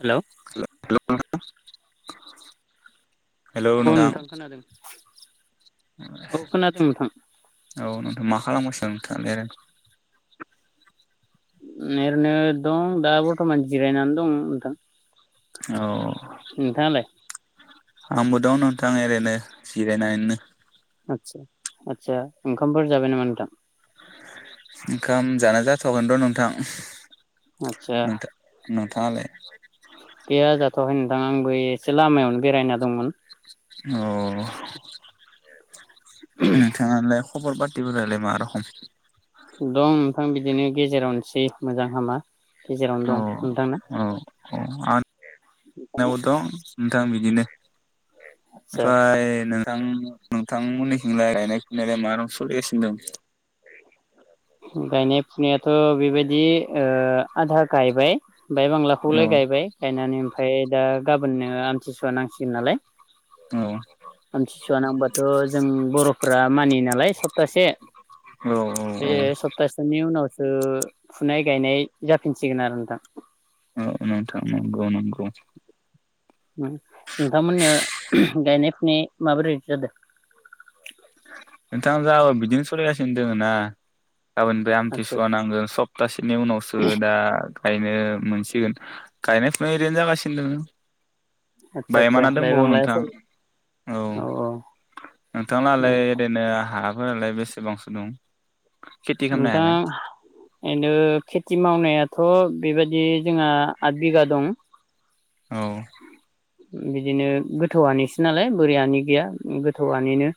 Hello. Hello [unintelligible] औ नोंथां खोनादों औ खोनादोंं नोंथां औ नोंथां मा खालामगासिनो नोंथाङालाय रांखो नेएरनो दं दा बर्थमान जिरायनानै दं नोंथां औ नोंथाङालाय आंबो दं न थां एरैनो जिरायनानैनो आदसा आतसा ओंखामफोर जाबाय नामा नोंथां? ओंखाम जाना जाथगोन र नोंथां आतसा नोंथां नोंथाङालाय गैया जाथवाखैनो थां आंबो एसे लामायावनो बेरायना दंमोन औ नोंथाङालाय खबर पातिफोरालाय मा रखम? दं नोंथां बिदिनो गेजेरावनोसै मोजां हामा गेजेरावनो औ दं नोंथांना औ औ आं दं नोंथां बिदिनो आदसा आदसा फ्राय नोथां नोंथां मोननिखिंलाय गायनाय फुनायालाय मा रं सलिगासिनो दं गायनाय फुनायाथ बैबायदि ओ आधा गायबाय बाय औ बांलाखौलाय गायबाय गायनानै ओमफाय दा गाब बोननो आमथिसुवा नांसिगोन नालाय आमथिसुवा नांबाथ' जों बर'फ्रा मानियो नालाय सप्तासे औ बे औ सप्ताहसे नि उनाव ओ फुनाय गायनाय जाफिनसिगोन आरो नोंथां बुं नों-नोंथांमोननियाव गायनाय फुनाय माबोरै जादों? नोंथां जा बिदिनो सलायगासिनो दोङो ना गाबोननिफ्राय आदसा आमथिसुवा नांगोन सप्तासेनि उनावसो दा गायनो मोनसिगोन गायनाय फुनाय ओरैनो जागासिनो दोङो आदसा आदसा बायमाना दंबावो बायबांला नोंथां सोलि औ नोंथां ला फाइ ओरैनो हाफोरालाय बे बेसेबांसो दं? खेथि खालामनो हाया नोंथां [unintelligible] खेथि मावनायाथ' बेबायदि जोंहा आदबिगा दं। औ। बिदिनो गोथौहानिसो नालाय बोरि हानि गैया गोथौहानिनो।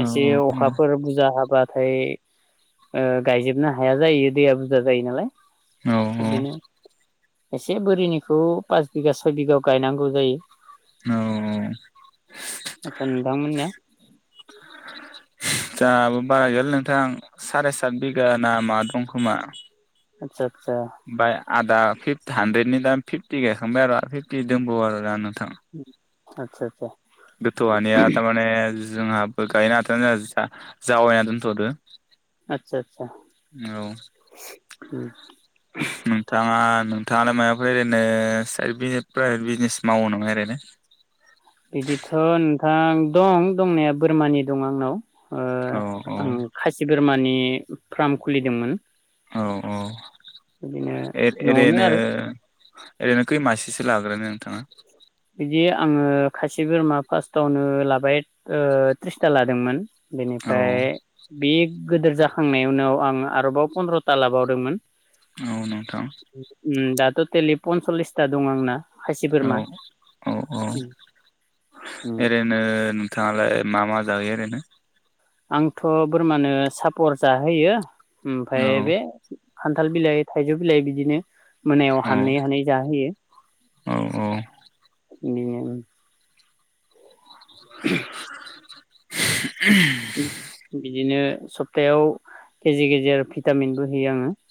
औ एसे अखाफोर बुरजा हाबा थाम ओ गायजोबनो हाया जायो दैया बुरजा जायो नालाय। औ औ। बिदिनो एसे बोरिनिखौ पास बिगा सय बिगा गायनांगौ जायो। औ [unintelligible] आदसा नोंथांमोननिया जाहाबो बारा गैया नोंथां साराय सात बिगा नामा दं खोमा। आतसा। बाय आदा फिफ्थ हान्ड्रेडनि दा फिफटि गायखांबाय आरो फिफटि दोंबावो आरो दा नों उम। आतसा आतसा। गोथौ हानिया थारमाने जोंहाबो गायनो हाथ'नाय जाया जावायना दोनथ'दों। आतसा आत औ नोंथाङा नोंथाङालाय मायबाफोर ओरैनो साइड बि प्राइभेट बिजनेस मावो नामा ओरैनो? बिदिथ' नोंथां दं दंनाया बोरमानि दं आंनाव। ओ औ आं खासि बोरमानि फ्राम खुलिदोंमोन । औ औ एर न'आवनो एरैनो आरो एरैनो खै मासेसो लाग्रोनो नोंथाङा? बिदि आङो खासि बोरमा फार्स्टावनो लाबाय ओ थ्रिसथा लादोंमोन। औ बेनिफ्राय बि गोदोर जाखांनायावनो आं आरोबाव पन्द्रथा लाबावदोंमोन। औ नोथां। दा टटेलि पनस'लिसथा दं आंना। खासि औ बोरमा। औ औ उम ओरैनो नोंथाङालाय मा? मा जाहोयो ओरैनो? आंथ' बोरमानो सापर जाहोयो। ओमफाय औ बे खान्थाल बिलाइ, थाइजौ बिलाइ बिदिनो । मोनायाव औ हानै-हानै जाहोयो । औ औ बिनि उनावनो बिदिनो सप्तायाव गेजेर गेजेर भिटामिनबो होयो आङो ।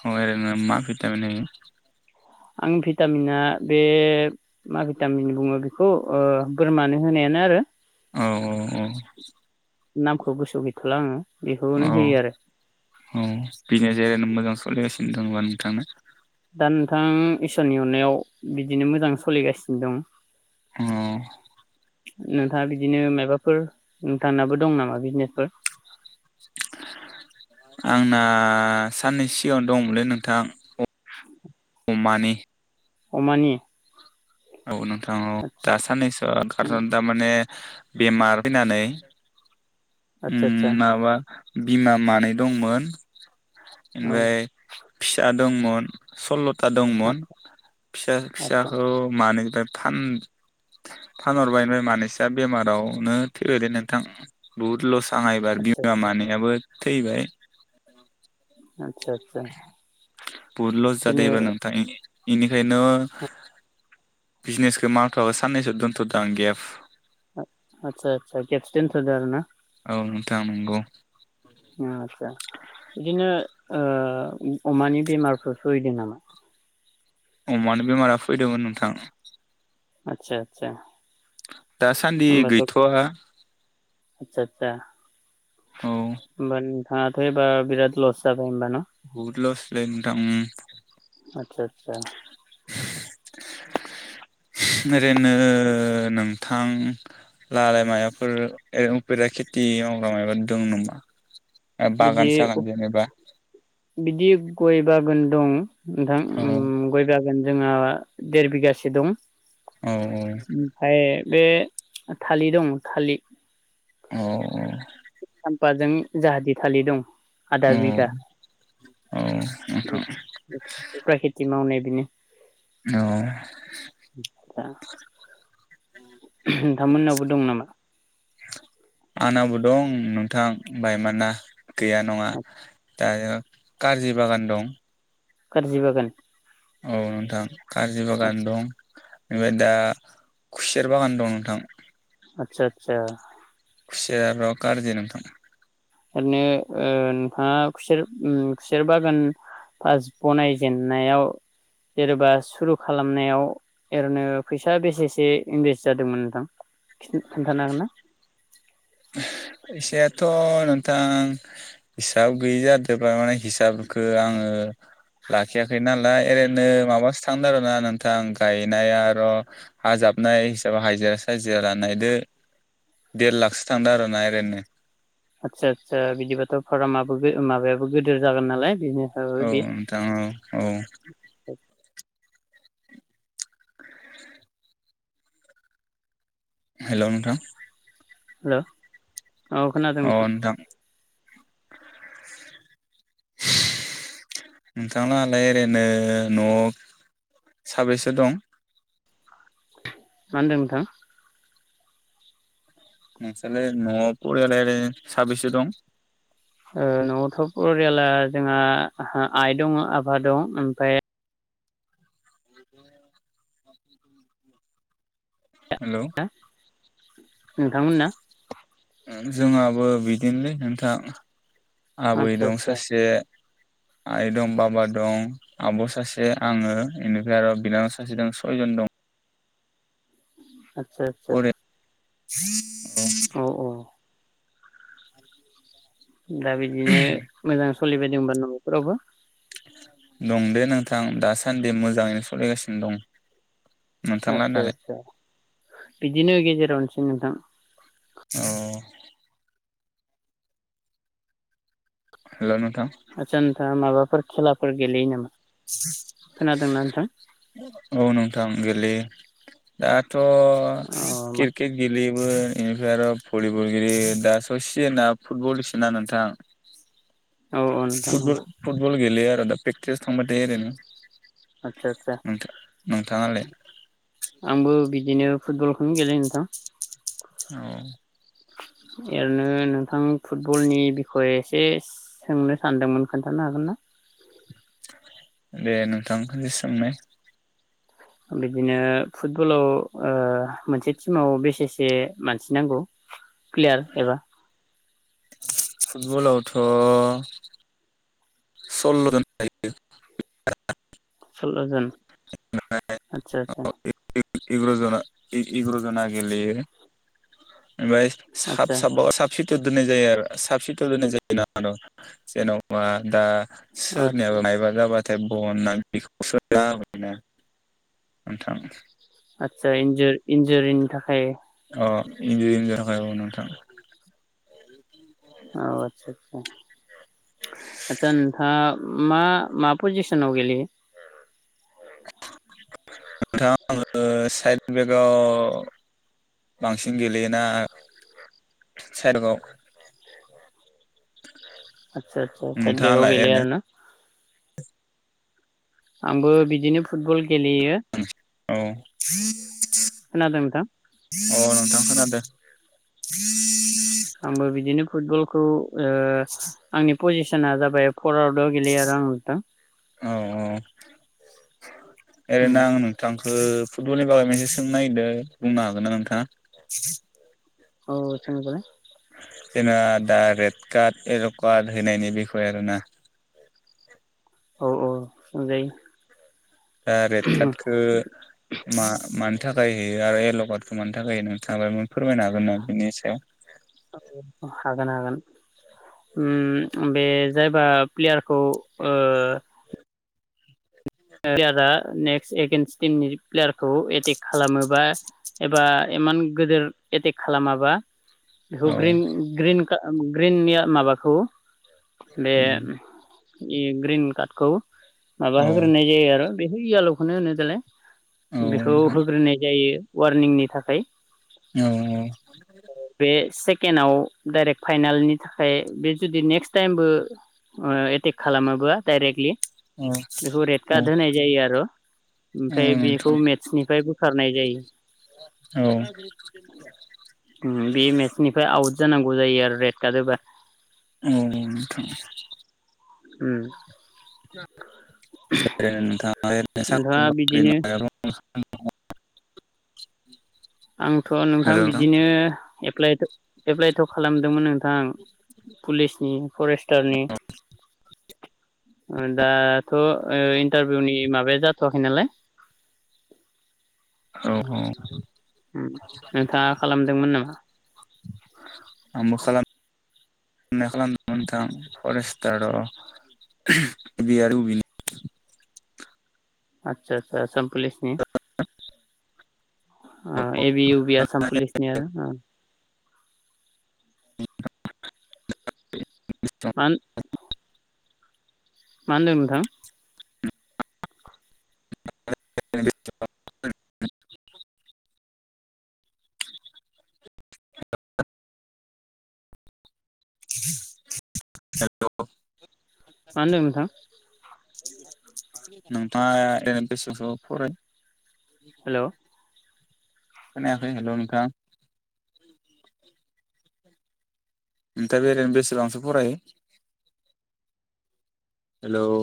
ओमफ्राय ओरैनो मा भिटामिन होयो? आं भिटामिना, बे मा भिटामिन बुङो बेखौ? बोरमानो होनायानो आरो । औ औ औ नामखौ गोसोआव गैथ'ला आङो । औ, औ बिनो जेनो मोजां सोलिगासिनो । खिनथानोबा नोंथांनो [unintelligible] दा नोंथां ईसोरनि अननायाव बिदिनो मोजां सोलिगासिनो दं । अह! नोंथाङा बिदिनो माबाफोर नोंथांनाबो दं नामा बिजनेसफोर? आंना साननै सिगाङाव दंमोनलै नोंथां । [inaudible] मानि अमानि? औ नों नोंथां औ आदसा दा सानैसो उम खारन दा माने बेमार फैनानै आदसा आदसा उम माबा बिमा मानै दंमोन । औ ओमफ्राय फिसा द दंमोन स'ल्ल था दंमोन आदसा फिसा-फिसाखौ इनिफ्राय फान-फानहरबाय ओमफाय मानैसोआ बेमारावनो थैबायलै नोंथां बहुत लस। आंहा एबार आदसा बिमा मानायाबो थैबाय। आदसा आदसा बहुत लस जादो बिदिनो एबार नोंथां इनो खायनो बिजनेसखौ मावथवाबा साननैसो दोन्थदां गेफ आदसा आदसा गेफ्स दोन्थदो आरो ना? उम नोंथां नोंगौ। उम आदसा बिदिनो ओ अमानि बेमारफोर फैदों नामा? अमानो बेमारा फैदोंमोन नोंथां। आतसा आतसा। दासान्दि गैथआ। आतसा आतसा। औ। हाथाइबा बिराद लस जा बहुत लसालै नोंथां उम। [unintelligible] ओरैनो नोंथां लालाय मायाफोर ओ उफेरा खेथि मावग्रा माबा दों नामा बागान बिदि सागान जेनेबा बिदि गय बागोन दं। नोंथां औ उम गय बा जागोन जोंहा देर बिघासे दं। औ औ। ओमफ्राय बे थालि दं थालि। अह। सामफाजों जाहादि थालि दं। आदा औ बिघा औ नोंथां उफ्रा खेथि मावनाय बेनो। औ [unintelligible] नोंथांमोननावबो दं नामा आंनाबो दं नोंथां बायमाना। गैया नङा। दायो कारजि बागान दं। खारजि बागान। औ नोंथां। खार्जि बागान आदसा दं। ओमफ्राय दा खुसेर बागान दं नोंथां आतसा आतसा खुसेर गाज्रि नोंथां ओरैनो ओ नोंथाङा खुसेर उम खुसेर बागान पास बनायजेननायाव जेनेबा सुरु खालामनायाव ओरैनो फैसा बेसेसे इनभेस्ट जादोंमोन नोंथां खिन्थ खिन्थानो हागोना फैसायाथ नोंथां हिसाब गैयि जादोब माने हिसाबखौ आङो लाखियाखै नालाय ओरैनो माबासो थांदों आरोना नोंथां गायनाय आर हाजाबनाय हिसाब हाजिरा साजिरा नायदो देर लाखसो थांदों आरोना एरैनो आदसा आदसा बिदिबाथ फारामाबो माबायाबो गिदिर जागोन नालाय बिजनेसाबो औ बे नोंथां औ औ हेलौ नोंथां हेलौ औ खोनादों नोंथां नोंथांलाहालाय ओरैनो न साबैसे दं मा होनदों नोंथां नोंसोरलाय नआव फरियालाय साबससो दं? ओ नआवथ फरियाला जोंहा आइ दङ आफा दं ओमफ्राय [unintelligible] हेलौ नोंथांमोनना जोंहाबो बिदिनोलै नोंथां आबै आदसा दं आदसा सासे आइ दं बाबा दं आब सासे आङो इनिफ्राय आरो बिनानाव सासे दं सयजन दं आच्छा आच्छा ओरै [unintelligible] दा बिदिनो मोजां सलिबायदोंबा नफोरावबो दं दे नोंथां दासान्दि मोजाङैनो सलिगासिनो दं नोंथां आच्छा लाहानालाय आच्छा बिदिनो गेजेरावनोसै ओइ नोंथां औ हेलौ नों आच्छा नोंथांङा माबाफोर खेलाफोर गेलेयो नामा? खोनादोंना नोंथां औ नोंथां गेलेयो दा थ अ मा किरकेट गेलयो [unintelligible] इनिफ्राय आरो भलिबलगेलेयो दा स सिजोना फुटबलसोना नोंथां औ औ नोंथां औ फुटबल फुटबल गेलेआ आरो दा। [unintelligible] थांबाय थायो आरो नों आदसा आदसा नोंथा नोंथाङालाय? आंबो बि बिदिनो फुटबल खौनो गेलेयो नोंथां। औ। एरैनो नोंथां फुटबलनि बिखय एसे स सोंनो सानदोंमोन खोन्थानो हागोन ना? दे नोंथां सोंनाय। बिदिनो फुटबलाव ओ मोनसे टिमाव बेसे से मानसि नांगौ प्लेयार एबा फुटबलावथ' सल्ल'जन थायो। सल्ल' जन आच्छा आच्छा एग्र' जना एग्र' जना गेलेयो। ओमफ्राय साफ आतसा साफ साब सिटि दोननाय जायो आरो साब सि दोननाय जायो [unintelligible] जेन'बा दा आतसा सोरनियाबा मायबा जाबा [unintelligible] [unintelligible] नोंथां। आतसा इनज इनजरिं। थाखाय अ इन्जयनिरिं थाखाय अ नोंथां। औ आतसा सा आतसा नोंथाङा मा मा पजिसनाव गेलेयो? लोगोआव बांसिन गेलेयो ना साइद [unintelligible] आतसा आतसा साइद बेगाव नोंथाङालाय गेलेयो आरो ओरैनो ना? आंबो बिदिनो फुटबल गेलेयो। ओ खोनादों नोंथां अ नोंथां खोनादो। [inaudible] आंबो बिदिनो फुटबलखौ ओ आंनि पजि सना जाबाय फरवार्दाव गेलेयो आरो आं नोंथां। औ औ। उम ओरैनो आं नोंथांखो फुटबलनि बागैसो सोंनो नायगिरदो बुंनो हागोन ना नोंथाङा? औ [unintelligible] जेनेबा दा रेड कार्ड एल‌ कार्ड होनायनि बिखय आरोना औ औ सोंजायो। दा रेड कार्डखो मा मान नि थाखाय होयो आरो एल'कार्डखौ मानि थाखाय होयो नोंथाङा बाहाय फोरमायनो हागोन नामा बेनि सायाव? हागोन हागोन उम बे जायबा प्लेयारखौ ओ प्लेयारा नेक्स्ट एगेन्स्ट टिमनि प्लेयारखौ एटेक खालामोबा एबा इमान गोदोर एटेक खालामाबा बेखौ औ ग्रिन ग्रिन ग्रिननिया माबाखौ बे इ ग्रिन कार्डखौ औ यो आरो बेखो इयाल'खोनो होनो देलाय औ बेखौ नोंथां होग्रोनाय जायो । वारनिंनि थाखाय औ औ । सेकेण्ड आव डाइरेक्ट फाइनालनि थाखाय बे जुदि नेक्सट तायेम बो ओ एटेक खालामाबा डाइरेक्टलि बेखौ रेड औ कार्ड होनाय जायो आरो औ ओमफ्राय बेखौ नोंथां मेटसनिफ्राय बोखारनाय जायो। औ उम बे मेटसनिफ्राय आउट जानांगौ जायो आरो रेड गारोबा औ नोंथां । उम । [unintelligible] नोंथां [unintelligible] ओरैनो साख्रि नोंथाङा बाख्रि बिदिनो उम [unintelligible] आंथ नोंथां बिदिनो एप्लाइथ एप्लाइथ खालामदोंमोन नोंथां पुलिसनि फरेस्टारनि ओ दा थ इन्टारभिउनि माबाया जाथ थ आखै नालाय औ औ । उम नोंथाङा खालामदोंमोन नामा? [unintelligible] खालामदोंमोन नोंथां फरेस्टार ए बि आरो इउ बि नि । आच्छा आच्छा आसाम पुलिजनि अ ए बि इउ बि आसाम पुलिसनि आरो ओ । [unintelligible] मान मा होनदों नोंथां? [unintelligible] हेल मा होनदों नोंथां? नोंथाङा ओरैनो बेसेसो फराय हेल खोनायाखै हेल नोंथां । ओमफाय बेरायनो बेसेबांसो फरायो? हेल'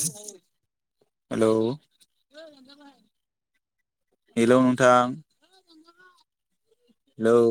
हेल' हेल' नोंथां हेल'